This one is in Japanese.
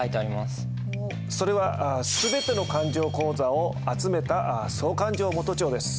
それは全ての勘定口座を集めた総勘定元帳です。